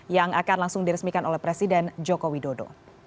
yang akan langsung diresmikan oleh presiden joko widodo